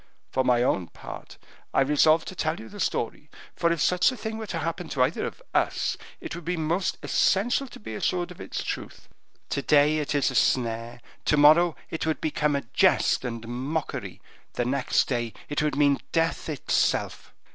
For my own part, I resolved to tell you the story; for if such a thing were to happen to either of us, it would be most essential to be assured of its truth; to day it is a snare, to morrow it would become a jest and mockery, the next day it would mean death itself."